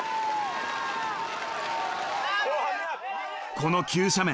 この急斜面